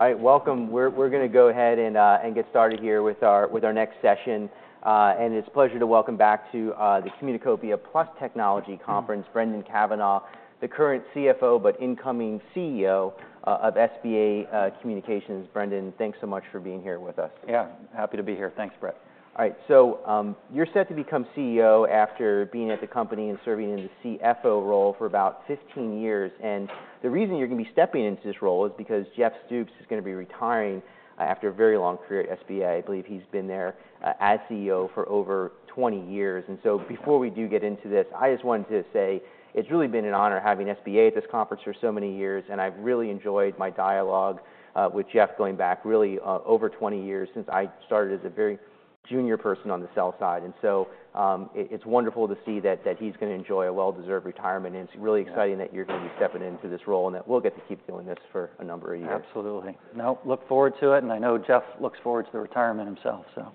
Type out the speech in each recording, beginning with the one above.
All right, welcome. We're gonna go ahead and get started here with our next session. And it's a pleasure to welcome back to the Communicopia + Technology Conference, Brendan Cavanagh, the current CFO, but incoming CEO, of SBA Communications. Brendan, thanks so much for being here with us. Yeah, happy to be here. Thanks, Brett. All right. So, you're set to become CEO after being at the company and serving in the CFO role for about 15 years, and the reason you're gonna be stepping into this role is because Jeff Stoops is gonna be retiring, after a very long career at SBA. I believe he's been there, as CEO for over 20 years. And so before we do get into this, I just wanted to say it's really been an honor having SBA at this conference for so many years, and I've really enjoyed my dialogue with Jeff going back really over 20 years, since I started as a very junior person on the sales side. It's wonderful to see that he's gonna enjoy a well-deserved retirement. Yeah. It's really exciting that you're gonna be stepping into this role, and that we'll get to keep doing this for a number of years. Absolutely. I look forward to it, and I know Jeff looks forward to the retirement himself, so.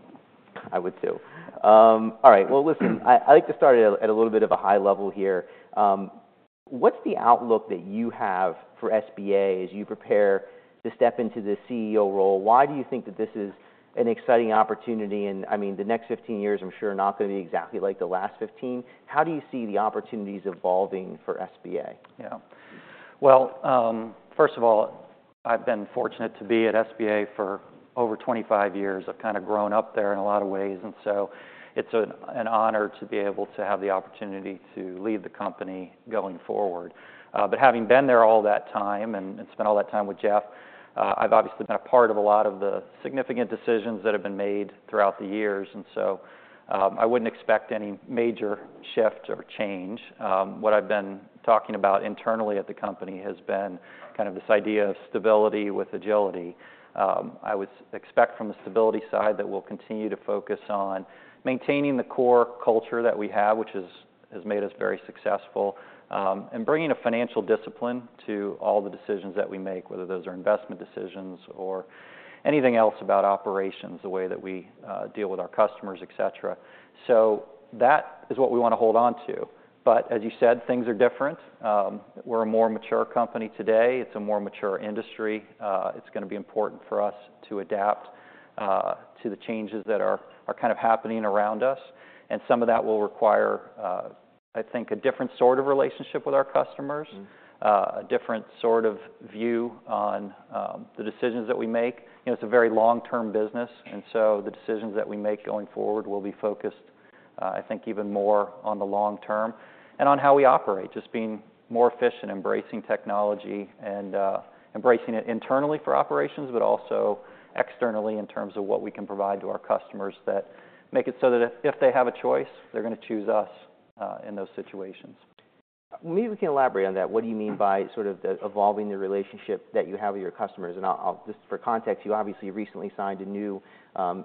I would, too. All right. Well, listen, I'd like to start at a little bit of a high level here. What's the outlook that you have for SBA as you prepare to step into the CEO role? Why do you think that this is an exciting opportunity? And, I mean, the next 15 years, I'm sure, are not gonna be exactly like the last 15. How do you see the opportunities evolving for SBA? Yeah. Well, first of all, I've been fortunate to be at SBA for over 25 years. I've kind of grown up there in a lot of ways, and so it's an honor to be able to have the opportunity to lead the company going forward. But having been there all that time and spent all that time with Jeff, I've obviously been a part of a lot of the significant decisions that have been made throughout the years, and so I wouldn't expect any major shift or change. What I've been talking about internally at the company has been kind of this idea of stability with agility. I would expect from the stability side that we'll continue to focus on maintaining the core culture that we have, which has made us very successful, and bringing a financial discipline to all the decisions that we make, whether those are investment decisions or anything else about operations, the way that we deal with our customers, et cetera. So that is what we want to hold on to. But as you said, things are different. We're a more mature company today. It's a more mature industry. It's gonna be important for us to adapt to the changes that are kind of happening around us, and some of that will require, I think, a different sort of relationship with our customers- Mm-hmm. A different sort of view on the decisions that we make. You know, it's a very long-term business, and so the decisions that we make going forward will be focused, I think, even more on the long term and on how we operate. Just being more efficient, embracing technology, and embracing it internally for operations, but also externally in terms of what we can provide to our customers that make it so that if, if they have a choice, they're gonna choose us in those situations. Maybe we can elaborate on that. What do you mean by sort of the evolving relationship that you have with your customers? And just for context, you obviously recently signed a new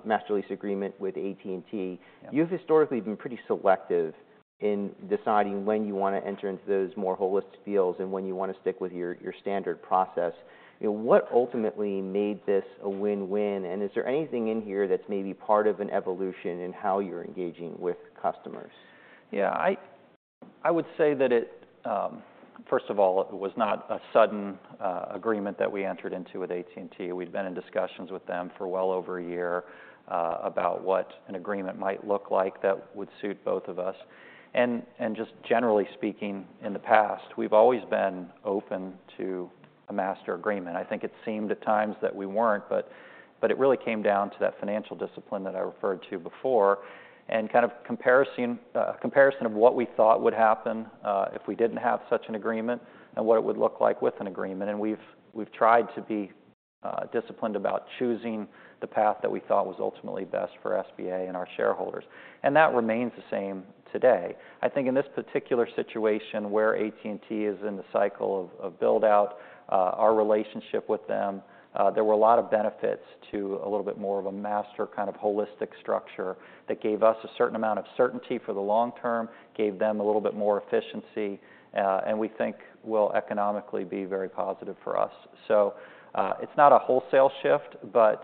master lease agreement with AT&T. Yeah. You've historically been pretty selective in deciding when you want to enter into those more holistic deals and when you want to stick with your standard process. You know, what ultimately made this a win-win, and is there anything in here that's maybe part of an evolution in how you're engaging with customers? Yeah, I would say that, first of all, it was not a sudden agreement that we entered into with AT&T. We'd been in discussions with them for well over a year about what an agreement might look like that would suit both of us. And just generally speaking, in the past, we've always been open to a master agreement. I think it seemed at times that we weren't, but it really came down to that financial discipline that I referred to before, and kind of comparison of what we thought would happen if we didn't have such an agreement and what it would look like with an agreement. And we've tried to be disciplined about choosing the path that we thought was ultimately best for SBA and our shareholders, and that remains the same today. I think in this particular situation, where AT&T is in the cycle of build-out, our relationship with them, there were a lot of benefits to a little bit more of a master, kind of holistic structure that gave us a certain amount of certainty for the long term, gave them a little bit more efficiency, and we think will economically be very positive for us. So, it's not a wholesale shift, but,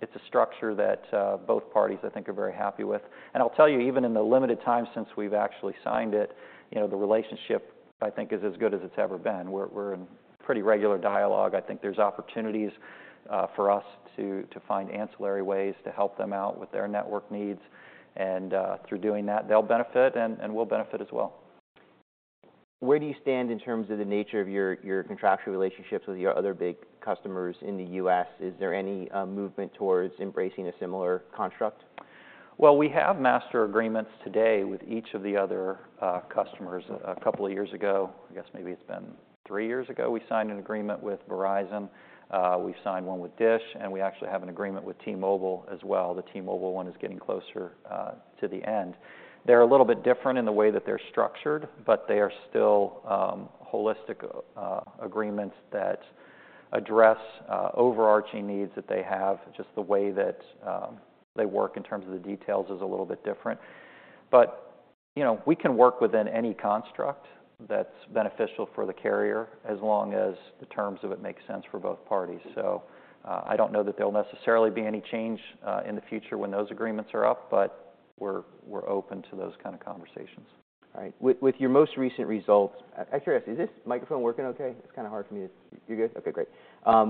it's a structure that both parties, I think, are very happy with. And I'll tell you, even in the limited time since we've actually signed it, you know, the relationship, I think, is as good as it's ever been. We're in pretty regular dialogue. I think there's opportunities for us to find ancillary ways to help them out with their network needs, and through doing that, they'll benefit, and we'll benefit as well. Where do you stand in terms of the nature of your contractual relationships with your other big customers in the U.S.? Is there any movement towards embracing a similar construct? Well, we have master agreements today with each of the other customers. A couple of years ago, I guess maybe it's been 3 years ago, we signed an agreement with Verizon. We've signed one with DISH, and we actually have an agreement with T-Mobile as well. The T-Mobile one is getting closer to the end. They're a little bit different in the way that they're structured, but they are still holistic agreements that address overarching needs that they have. Just the way that they work in terms of the details is a little bit different. But, you know, we can work within any construct that's beneficial for the carrier, as long as the terms of it make sense for both parties. I don't know that there'll necessarily be any change in the future when those agreements are up, but we're open to those kind of conversations.... All right, with your most recent results—actually, is this microphone working okay? It's kind of hard for me to—You're good? Okay, great.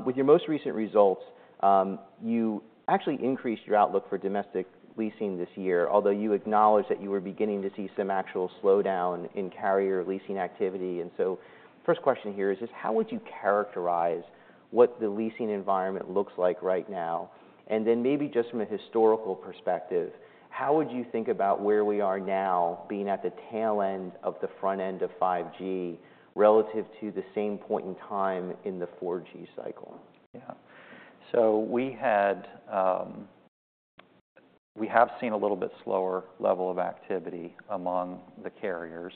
With your most recent results, you actually increased your outlook for domestic leasing this year, although you acknowledged that you were beginning to see some actual slowdown in carrier leasing activity. And so first question here is, just how would you characterize what the leasing environment looks like right now? And then maybe just from a historical perspective, how would you think about where we are now, being at the tail end of the front end of 5G, relative to the same point in time in the 4G cycle? Yeah. So we had, We have seen a little bit slower level of activity among the carriers.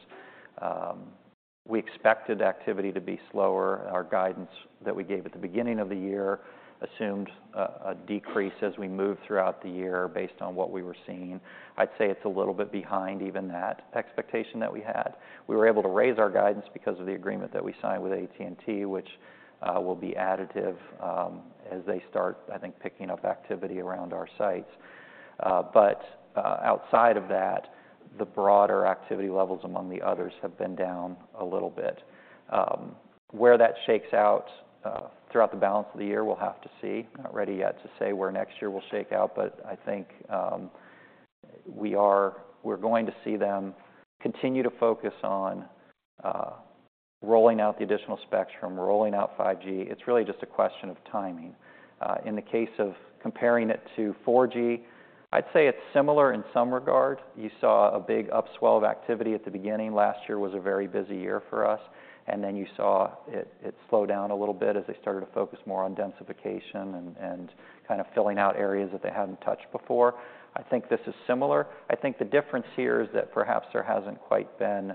We expected activity to be slower. Our guidance that we gave at the beginning of the year assumed a decrease as we moved throughout the year based on what we were seeing. I'd say it's a little bit behind even that expectation that we had. We were able to raise our guidance because of the agreement that we signed with AT&T, which will be additive as they start, I think, picking up activity around our sites. But outside of that, the broader activity levels among the others have been down a little bit. Where that shakes out throughout the balance of the year, we'll have to see. Not ready yet to say where next year will shake out, but I think we're going to see them continue to focus on rolling out the additional spectrum, rolling out 5G. It's really just a question of timing. In the case of comparing it to 4G, I'd say it's similar in some regard. You saw a big upswell of activity at the beginning. Last year was a very busy year for us, and then you saw it slow down a little bit as they started to focus more on densification and kind of filling out areas that they hadn't touched before. I think this is similar. I think the difference here is that perhaps there hasn't quite been,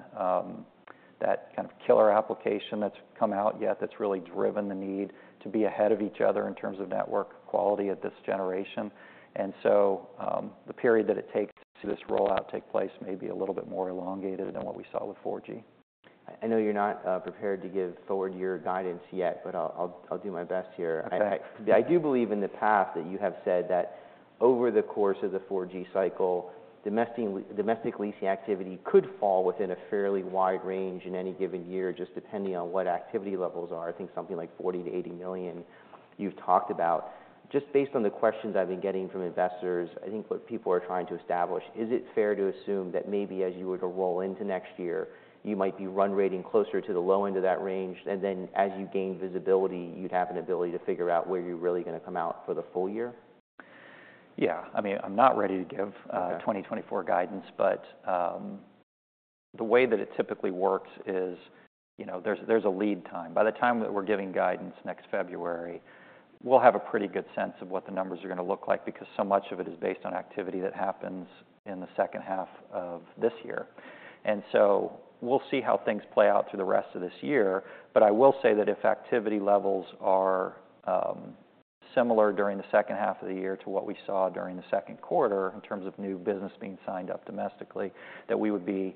that kind of killer application that's come out yet, that's really driven the need to be ahead of each other in terms of network quality at this generation. And so, the period that it takes to this rollout take place may be a little bit more elongated than what we saw with 4G. I, I know you're not prepared to give forward year guidance yet, but I'll, I'll do my best here. Okay. I do believe in the past that you have said that over the course of the 4G cycle, domestic leasing activity could fall within a fairly wide range in any given year, just depending on what activity levels are. I think something like $40 million-$80 million, you've talked about. Just based on the questions I've been getting from investors, I think what people are trying to establish: Is it fair to assume that maybe as you were to roll into next year, you might be run rating closer to the low end of that range, and then as you gain visibility, you'd have an ability to figure out where you're really gonna come out for the full year? Yeah. I mean, I'm not ready to give- Okay... 2024 guidance, but the way that it typically works is, you know, there's a lead time. By the time that we're giving guidance next February, we'll have a pretty good sense of what the numbers are gonna look like, because so much of it is based on activity that happens in the second half of this year. And so we'll see how things play out through the rest of this year. But I will say that if activity levels are similar during the second half of the year to what we saw during the second quarter, in terms of new business being signed up domestically, that we would be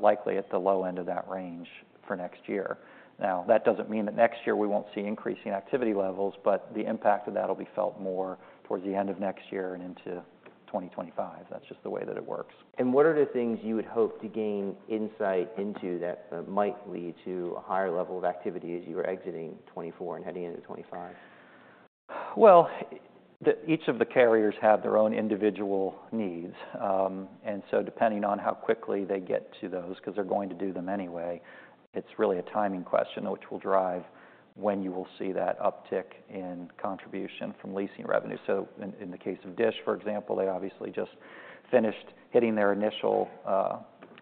likely at the low end of that range for next year. Now, that doesn't mean that next year we won't see increasing activity levels, but the impact of that will be felt more towards the end of next year and into 2025. That's just the way that it works. What are the things you would hope to gain insight into that might lead to a higher level of activity as you were exiting 2024 and heading into 2025? Well, each of the carriers have their own individual needs. And so depending on how quickly they get to those, 'cause they're going to do them anyway, it's really a timing question, which will drive when you will see that uptick in contribution from leasing revenue. So in the case of DISH, for example, they obviously just finished hitting their initial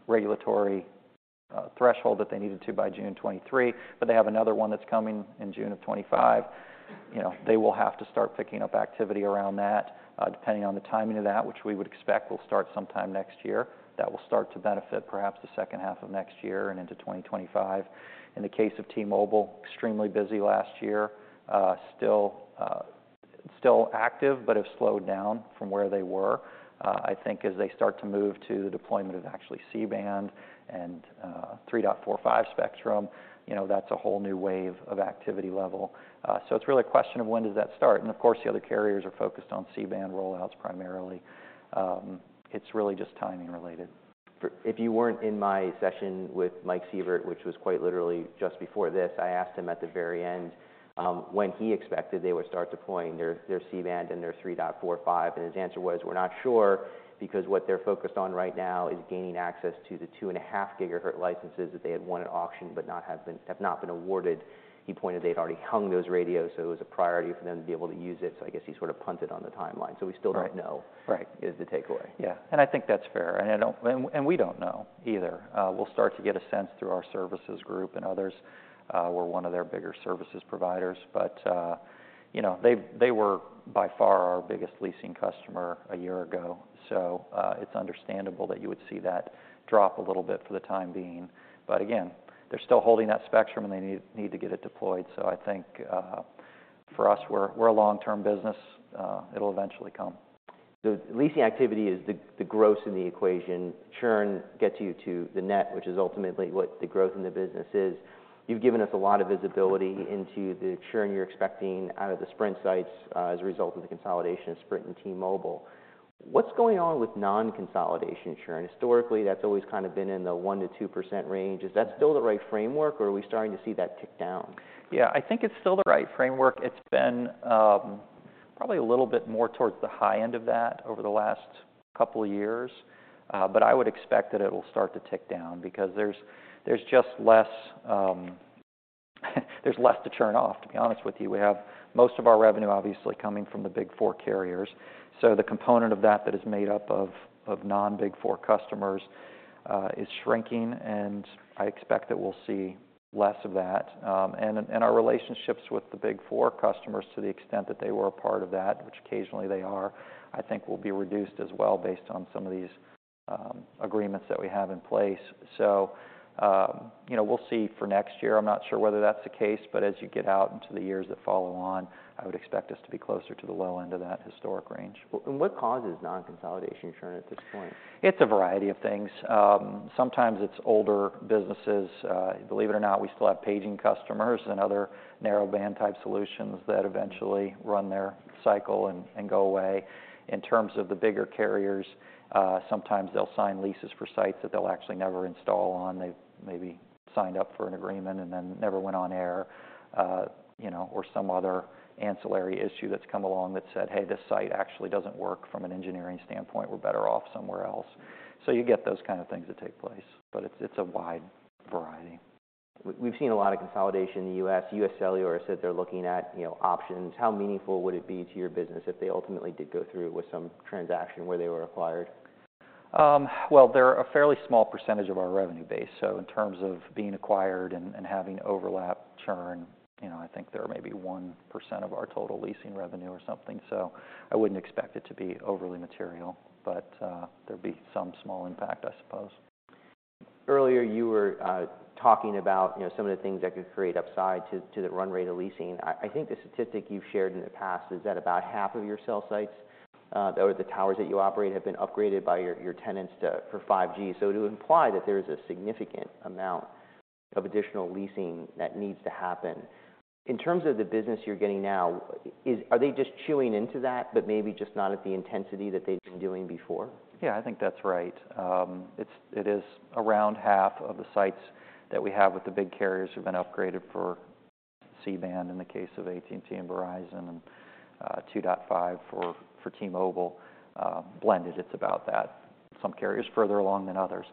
regulatory threshold that they needed to by June 2023, but they have another one that's coming in June 2025. You know, they will have to start picking up activity around that. Depending on the timing of that, which we would expect will start sometime next year. That will start to benefit perhaps the second half of next year and into 2025. In the case of T-Mobile, extremely busy last year. Still, still active, but have slowed down from where they were. I think as they start to move to the deployment of actually C-band and 3.45 spectrum, you know, that's a whole new wave of activity level. So it's really a question of when does that start? And of course, the other carriers are focused on C-band rollouts primarily. It's really just timing related. If you weren't in my session with Mike Sievert, which was quite literally just before this, I asked him at the very end, when he expected they would start deploying their, their C-band and their 3.45, and his answer was: "We're not sure," because what they're focused on right now is gaining access to the 2.5 gigahertz licenses that they had won at auction, but have not been awarded. He pointed they'd already hung those radios, so it was a priority for them to be able to use it. So I guess he sort of punted on the timeline. Right. We still don't know- Right... is the takeaway. Yeah, and I think that's fair, and we don't know either. We'll start to get a sense through our services group and others. We're one of their bigger services providers, but, you know, they were by far our biggest leasing customer a year ago. So, it's understandable that you would see that drop a little bit for the time being. But again, they're still holding that spectrum, and they need to get it deployed. So I think, for us, we're a long-term business. It'll eventually come. The leasing activity is the gross in the equation. Churn gets you to the net, which is ultimately what the growth in the business is. You've given us a lot of visibility into the churn you're expecting out of the Sprint sites, as a result of the consolidation of Sprint and T-Mobile. What's going on with non-consolidation churn? Historically, that's always kind of been in the 1%-2% range. Is that still the right framework, or are we starting to see that tick down? Yeah, I think it's still the right framework. It's been probably a little bit more towards the high end of that over the last couple years. But I would expect that it'll start to tick down because there's just less to churn off, to be honest with you. We have most of our revenue, obviously, coming from the big four carriers, so the component of that that is made up of non-big four customers is shrinking, and I expect that we'll see less of that. And our relationships with the big four customers, to the extent that they were a part of that, which occasionally they are, I think will be reduced as well, based on some of these agreements that we have in place. So, you know, we'll see for next year. I'm not sure whether that's the case, but as you get out into the years that follow on, I would expect us to be closer to the low end of that historic range. Well, and what causes non-consolidation churn at this point? It's a variety of things. Sometimes it's older businesses. Believe it or not, we still have paging customers and other narrowband-type solutions that eventually run their cycle and, and go away. In terms of the bigger carriers, sometimes they'll sign leases for sites that they'll actually never install on. They've maybe signed up for an agreement and then never went on air, you know, or some other ancillary issue that's come along that said, "Hey, this site actually doesn't work from an engineering standpoint. We're better off somewhere else." So you get those kind of things that take place, but it's, it's a wide variety. We've seen a lot of consolidation in the U.S. UScellular said they're looking at, you know, options. How meaningful would it be to your business if they ultimately did go through with some transaction where they were acquired? Well, they're a fairly small percentage of our revenue base, so in terms of being acquired and having overlap churn, you know, I think they're maybe 1% of our total leasing revenue or something. So I wouldn't expect it to be overly material, but there'd be some small impact, I suppose. Earlier, you were talking about, you know, some of the things that could create upside to, to the run rate of leasing. I, I think the statistic you've shared in the past is that about half of your cell sites, or the towers that you operate, have been upgraded by your, your tenants to for 5G. So it would imply that there is a significant amount of additional leasing that needs to happen. In terms of the business you're getting now, are they just chewing into that, but maybe just not at the intensity that they'd been doing before? Yeah, I think that's right. It is around half of the sites that we have with the big carriers who've been upgraded for C-band, in the case of AT&T and Verizon, and, 2.5 for T-Mobile. Blended, it's about that. Some carriers are further along than others.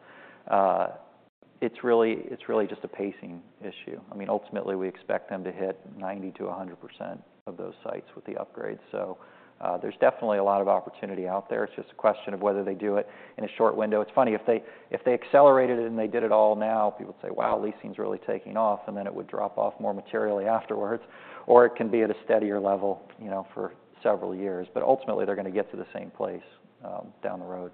It's really, it's really just a pacing issue. I mean, ultimately, we expect them to hit 90%-100% of those sites with the upgrade, so, there's definitely a lot of opportunity out there. It's just a question of whether they do it in a short window. It's funny, if they accelerated it and they did it all now, people would say, "Wow, leasing's really taking off," and then it would drop off more materially afterwards. Or it can be at a steadier level, you know, for several years. But ultimately, they're gonna get to the same place down the road.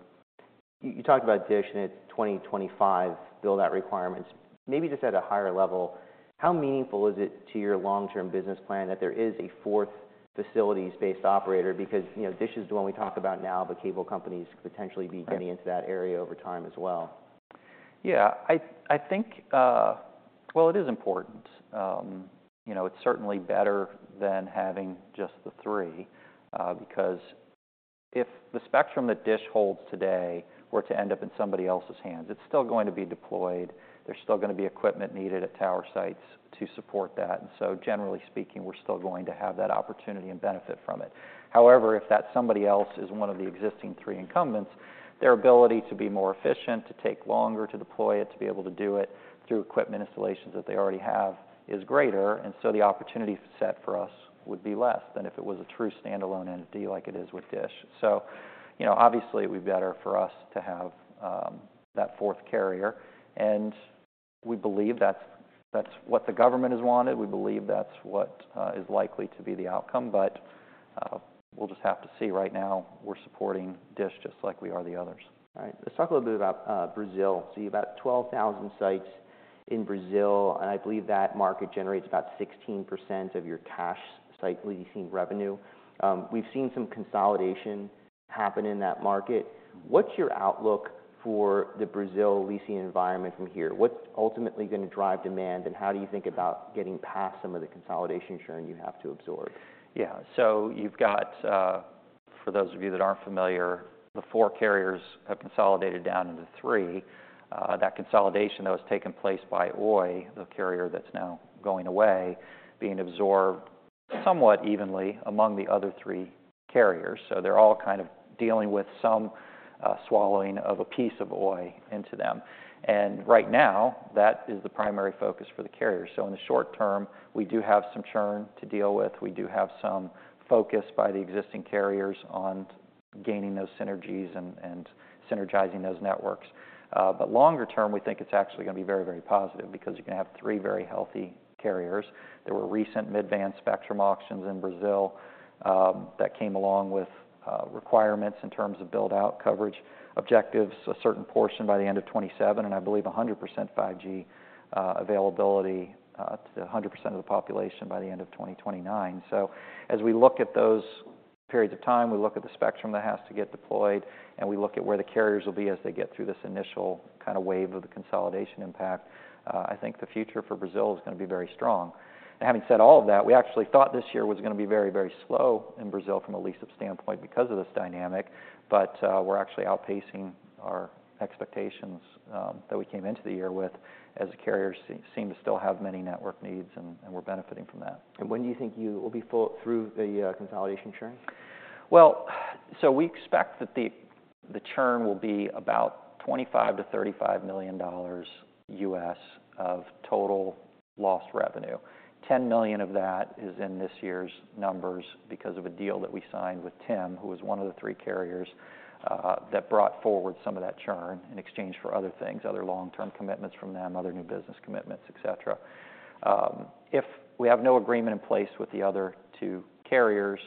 You talked about DISH and its 2025 build-out requirements. Maybe just at a higher level, how meaningful is it to your long-term business plan that there is a fourth facilities-based operator? Because, you know, DISH is the one we talk about now, but cable companies could potentially be- Right... getting into that area over time as well. Yeah. I think... Well, it is important. You know, it's certainly better than having just the three, because if the spectrum that Dish holds today were to end up in somebody else's hands, it's still going to be deployed, there's still gonna be equipment needed at tower sites to support that. And so, generally speaking, we're still going to have that opportunity and benefit from it. However, if that somebody else is one of the existing three incumbents, their ability to be more efficient, to take longer to deploy it, to be able to do it through equipment installations that they already have, is greater. And so the opportunity set for us would be less than if it was a true standalone entity, like it is with Dish. So, you know, obviously, it would be better for us to have that fourth carrier, and we believe that's, that's what the government has wanted. We believe that's what is likely to be the outcome, but we'll just have to see. Right now, we're supporting DISH just like we are the others. All right. Let's talk a little bit about Brazil. So you've about 12,000 sites in Brazil, and I believe that market generates about 16% of your cash site leasing revenue. We've seen some consolidation happen in that market. What's your outlook for the Brazil leasing environment from here? What's ultimately gonna drive demand, and how do you think about getting past some of the consolidation churn you have to absorb? Yeah. So you've got, for those of you that aren't familiar, the four carriers have consolidated down into three. That consolidation, though, has taken place by Oi, the carrier that's now going away, being absorbed somewhat evenly among the other three carriers. So they're all kind of dealing with some, swallowing of a piece of Oi into them, and right now, that is the primary focus for the carriers. So in the short term, we do have some churn to deal with. We do have some focus by the existing carriers on gaining those synergies and, and synergizing those networks. But longer term, we think it's actually gonna be very, very positive, because you're gonna have three very healthy carriers. There were recent mid-band spectrum auctions in Brazil, that came along with, requirements in terms of build-out, coverage, objectives, a certain portion by the end of 2027, and I believe 100% 5G availability to 100% of the population by the end of 2029. So as we look at those periods of time, we look at the spectrum that has to get deployed and we look at where the carriers will be as they get through this initial kind of wave of the consolidation impact, I think the future for Brazil is gonna be very strong. Now, having said all of that, we actually thought this year was gonna be very, very slow in Brazil from a lease-up standpoint because of this dynamic. But we're actually outpacing our expectations that we came into the year with, as the carriers seem to still have many network needs, and we're benefiting from that. When do you think you will be full through the consolidation churn? Well, so we expect that the churn will be about $25 million-$35 million of total lost revenue. $10 million of that is in this year's numbers because of a deal that we signed with TIM, who was one of the three carriers, that brought forward some of that churn in exchange for other things, other long-term commitments from them, other new business commitments, et cetera. If we have no agreement in place with the other two carriers,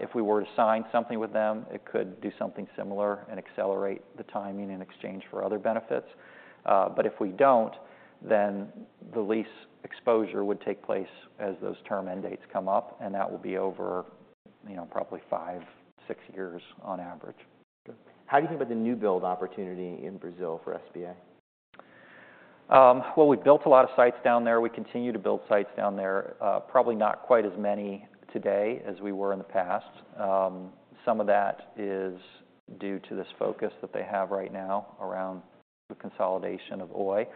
if we were to sign something with them, it could do something similar and accelerate the timing in exchange for other benefits. But if we don't, then the lease exposure would take place as those term end dates come up, and that will be over, you know, probably five, six years on average. How do you think about the new build opportunity in Brazil for SBA? Well, we've built a lot of sites down there. We continue to build sites down there, probably not quite as many today as we were in the past. Some of that is due to this focus that they have right now around the consolidation of Oi.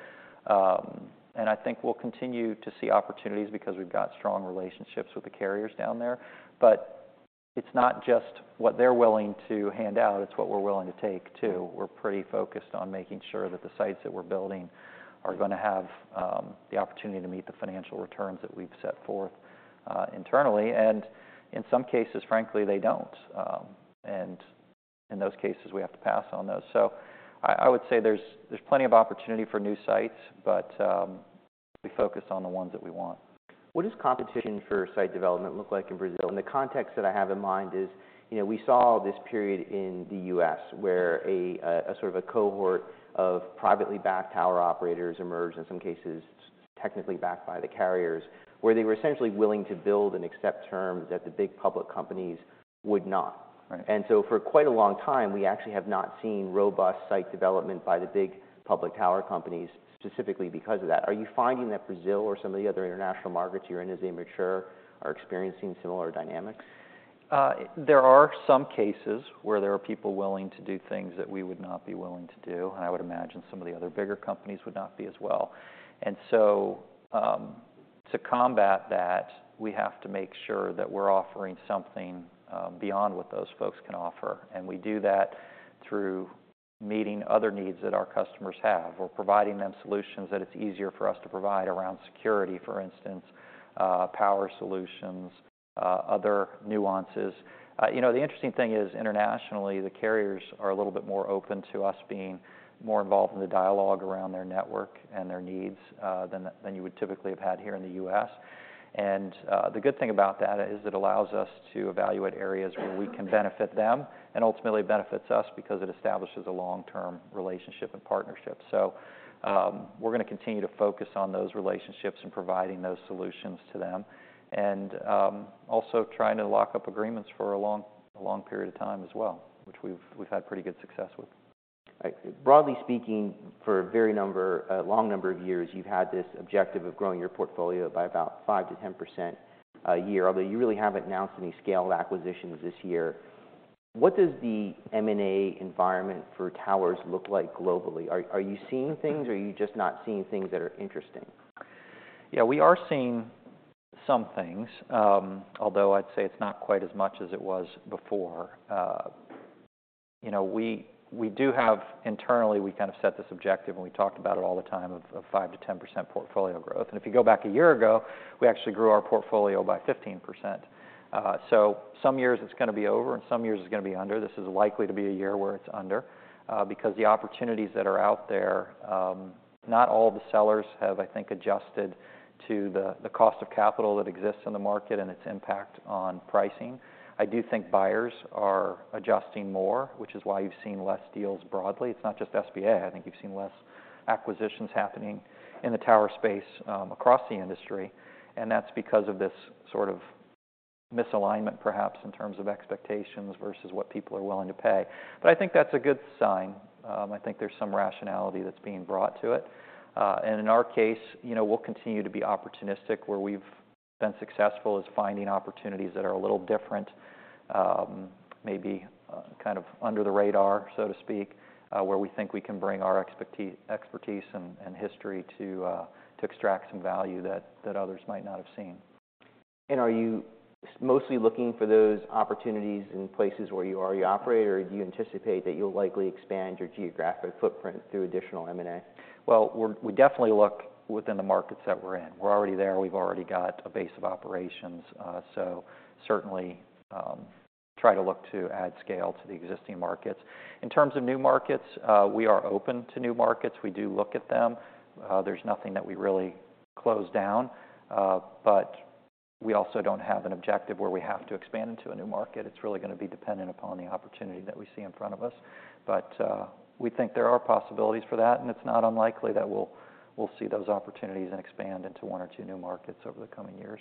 And I think we'll continue to see opportunities because we've got strong relationships with the carriers down there. But it's not just what they're willing to hand out, it's what we're willing to take, too. We're pretty focused on making sure that the sites that we're building are gonna have the opportunity to meet the financial returns that we've set forth, internally. And in some cases, frankly, they don't. And in those cases, we have to pass on those. So I would say there's plenty of opportunity for new sites, but we focus on the ones that we want. What does competition for site development look like in Brazil? The context that I have in mind is, you know, we saw this period in the U.S. where a sort of cohort of privately backed tower operators emerged, in some cases, technically backed by the carriers, where they were essentially willing to build and accept terms that the big public companies would not. Right. For quite a long time, we actually have not seen robust site development by the big public tower companies, specifically because of that. Are you finding that Brazil or some of the other international markets you're in, as they mature, are experiencing similar dynamics? There are some cases where there are people willing to do things that we would not be willing to do, and I would imagine some of the other bigger companies would not be as well. And so, to combat that, we have to make sure that we're offering something beyond what those folks can offer, and we do that through meeting other needs that our customers have, or providing them solutions that it's easier for us to provide around security, for instance, power solutions, other nuances. You know, the interesting thing is, internationally, the carriers are a little bit more open to us being more involved in the dialogue around their network and their needs than you would typically have had here in the U.S. The good thing about that is it allows us to evaluate areas where we can benefit them and ultimately benefits us because it establishes a long-term relationship and partnership. We're gonna continue to focus on those relationships and providing those solutions to them, and also trying to lock up agreements for a long period of time as well, which we've had pretty good success with. Right. Broadly speaking, for a long number of years, you've had this objective of growing your portfolio by about 5%-10% a year, although you really haven't announced any scaled acquisitions this year. What does the M&A environment for towers look like globally? Are you seeing things or are you just not seeing things that are interesting? Yeah, we are seeing some things. Although I'd say it's not quite as much as it was before. You know, we do have internally, we kind of set this objective, and we talked about it all the time, of 5%-10% portfolio growth. And if you go back a year ago, we actually grew our portfolio by 15%. So some years it's gonna be over, and some years it's gonna be under. This is likely to be a year where it's under, because the opportunities that are out there, not all the sellers have, I think, adjusted to the cost of capital that exists in the market and its impact on pricing. I do think buyers are adjusting more, which is why you've seen less deals broadly. It's not just SBA. I think you've seen less acquisitions happening in the tower space, across the industry, and that's because of this sort of misalignment, perhaps, in terms of expectations versus what people are willing to pay. But I think that's a good sign. I think there's some rationality that's being brought to it. And in our case, you know, we'll continue to be opportunistic. Where we've been successful is finding opportunities that are a little different, maybe, kind of under the radar, so to speak, where we think we can bring our expertise and history to extract some value that others might not have seen. Are you mostly looking for those opportunities in places where you already operate, or do you anticipate that you'll likely expand your geographic footprint through additional M&A? Well, we definitely look within the markets that we're in. We're already there. We've already got a base of operations, so certainly try to look to add scale to the existing markets. In terms of new markets, we are open to new markets. We do look at them. There's nothing that we really close down, but we also don't have an objective where we have to expand into a new market. It's really gonna be dependent upon the opportunity that we see in front of us. But, we think there are possibilities for that, and it's not unlikely that we'll see those opportunities and expand into one or two new markets over the coming years.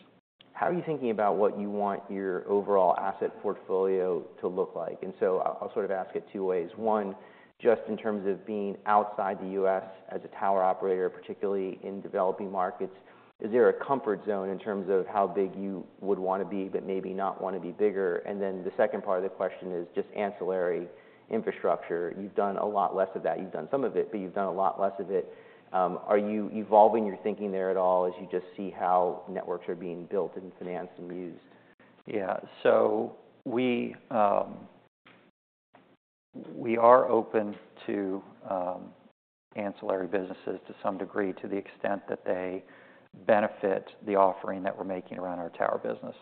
...How are you thinking about what you want your overall asset portfolio to look like? And so I'll sort of ask it two ways. One, just in terms of being outside the U.S. as a tower operator, particularly in developing markets, is there a comfort zone in terms of how big you would wanna be, but maybe not wanna be bigger? And then the second part of the question is just ancillary infrastructure. You've done a lot less of that. You've done some of it, but you've done a lot less of it. Are you evolving your thinking there at all as you just see how networks are being built, and financed, and used? Yeah. So we are open to ancillary businesses to some degree, to the extent that they benefit the offering that we're making around our tower business.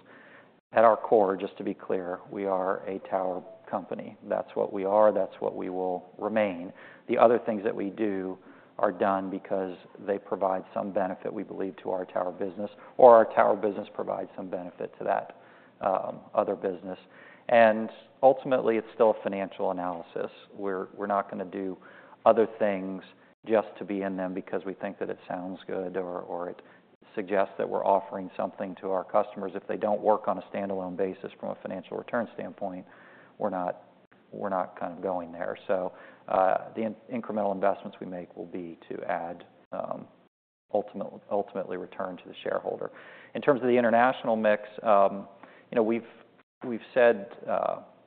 At our core, just to be clear, we are a tower company. That's what we are, that's what we will remain. The other things that we do are done because they provide some benefit, we believe, to our tower business, or our tower business provides some benefit to that other business. And ultimately, it's still a financial analysis, where we're not gonna do other things just to be in them because we think that it sounds good, or it suggests that we're offering something to our customers. If they don't work on a standalone basis from a financial return standpoint, we're not kind of going there. So, the incremental investments we make will be to add ultimately return to the shareholder. In terms of the international mix, you know, we've said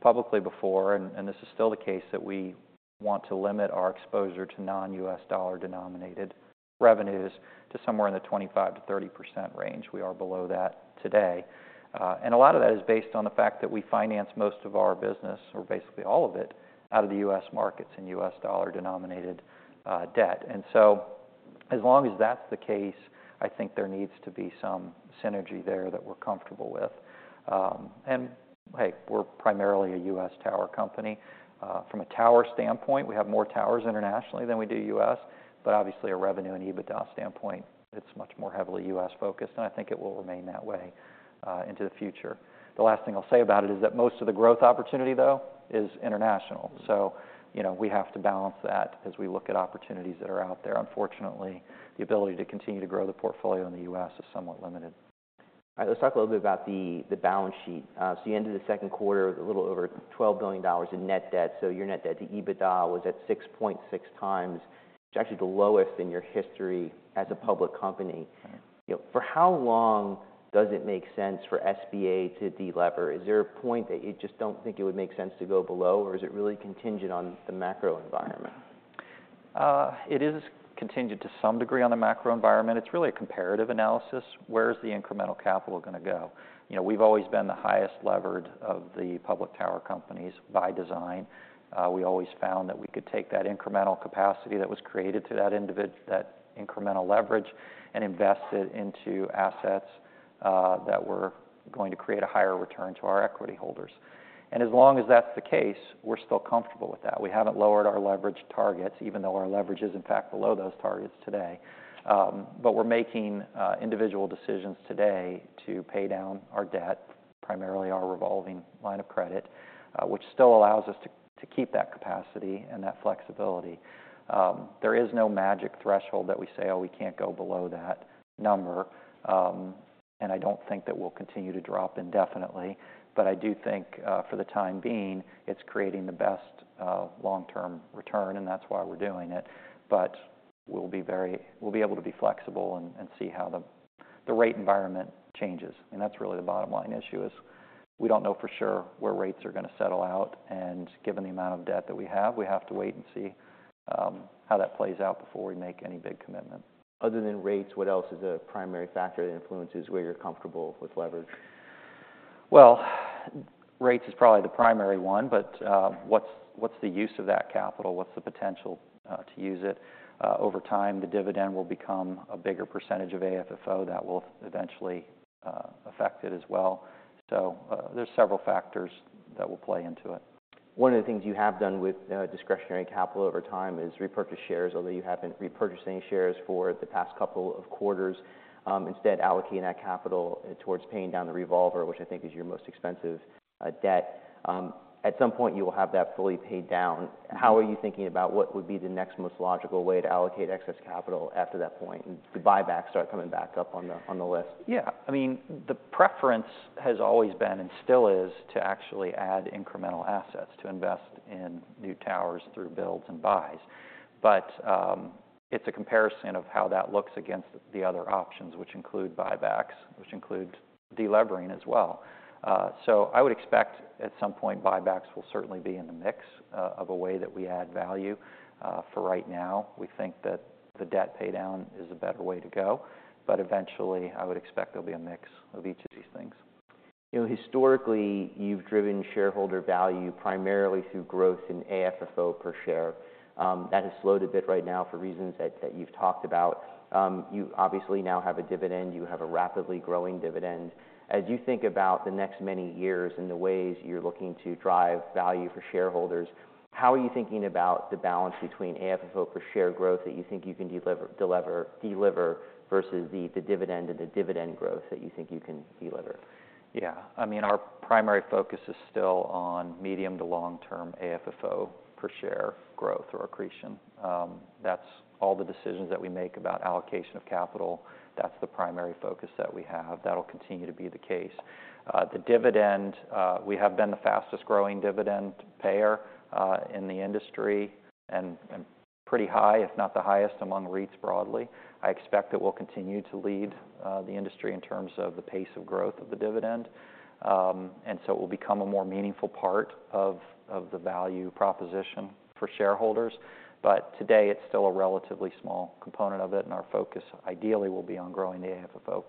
publicly before, and this is still the case, that we want to limit our exposure to non-U.S. dollar-denominated revenues to somewhere in the 25%-30% range. We are below that today. And a lot of that is based on the fact that we finance most of our business, or basically all of it, out of the U.S. markets and U.S. dollar-denominated debt. And so, as long as that's the case, I think there needs to be some synergy there that we're comfortable with. And hey, we're primarily a U.S. tower company. From a tower standpoint, we have more towers internationally than we do US, but obviously, our revenue and EBITDA standpoint, it's much more heavily US-focused, and I think it will remain that way into the future. The last thing I'll say about it is that most of the growth opportunity, though, is international, so, you know, we have to balance that as we look at opportunities that are out there. Unfortunately, the ability to continue to grow the portfolio in the US is somewhat limited. All right. Let's talk a little bit about the balance sheet. So you ended the second quarter with a little over $12 billion in net debt, so your net debt to EBITDA was at 6.6 times. It's actually the lowest in your history as a public company. Right. You know, for how long does it make sense for SBA to delever? Is there a point that you just don't think it would make sense to go below, or is it really contingent on the macro environment? It is contingent to some degree on the macro environment. It's really a comparative analysis. Where is the incremental capital gonna go? You know, we've always been the highest levered of the public tower companies by design. We always found that we could take that incremental capacity that was created to that incremental leverage, and invest it into assets that were going to create a higher return to our equity holders. And as long as that's the case, we're still comfortable with that. We haven't lowered our leverage targets, even though our leverage is, in fact, below those targets today. But we're making individual decisions today to pay down our debt, primarily our revolving line of credit, which still allows us to keep that capacity and that flexibility. There is no magic threshold that we say, "Oh, we can't go below that number." And I don't think that we'll continue to drop indefinitely, but I do think, for the time being, it's creating the best, long-term return, and that's why we're doing it. But we'll be able to be flexible and see how the rate environment changes. And that's really the bottom line issue, is we don't know for sure where rates are gonna settle out, and given the amount of debt that we have, we have to wait and see how that plays out before we make any big commitment. Other than rates, what else is a primary factor that influences where you're comfortable with leverage? Well, rates is probably the primary one, but, what's the use of that capital? What's the potential to use it? Over time, the dividend will become a bigger percentage of AFFO that will eventually affect it as well. So, there's several factors that will play into it. One of the things you have done with discretionary capital over time is repurchase shares, although you haven't repurchased any shares for the past couple of quarters, instead allocating that capital towards paying down the revolver, which I think is your most expensive debt. At some point, you will have that fully paid down. Right. How are you thinking about what would be the next most logical way to allocate excess capital after that point? Do buybacks start coming back up on the list? Yeah. I mean, the preference has always been, and still is, to actually add incremental assets, to invest in new towers through builds and buys. But, it's a comparison of how that looks against the other options, which include buybacks, which include delevering as well. So I would expect, at some point, buybacks will certainly be in the mix of a way that we add value. For right now, we think that the debt paydown is a better way to go, but eventually, I would expect there'll be a mix of each of these things. You know, historically, you've driven shareholder value primarily through growth in AFFO per share. That has slowed a bit right now for reasons that you've talked about. You obviously now have a dividend. You have a rapidly growing dividend. As you think about the next many years and the ways you're looking to drive value for shareholders, how are you thinking about the balance between AFFO per share growth that you think you can deliver versus the dividend and the dividend growth that you think you can deliver? Yeah. I mean, our primary focus is still on medium to long-term AFFO per share growth or accretion. That's all the decisions that we make about allocation of capital, that's the primary focus that we have. That'll continue to be the case. The dividend, we have been the fastest growing dividend payer, in the industry, and pretty high, if not the highest, among REITs broadly. I expect that we'll continue to lead the industry in terms of the pace of growth of the dividend. And so it will become a more meaningful part of the value proposition for shareholders. But today, it's still a relatively small component of it, and our focus, ideally, will be on growing the AFFO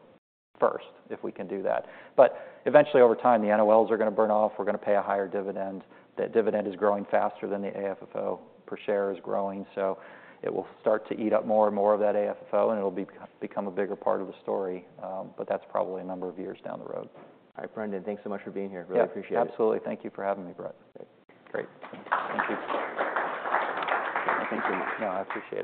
first, if we can do that. But eventually, over time, the NOLs are gonna burn off, we're gonna pay a higher dividend. That dividend is growing faster than the AFFO per share is growing, so it will start to eat up more and more of that AFFO, and it'll become a bigger part of the story. But that's probably a number of years down the road. All right, Brendan, thanks so much for being here. Yeah. Really appreciate it. Absolutely. Thank you for having me, Brett. Great. Thank you. Thank you. No, I appreciate it.